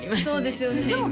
そうですよね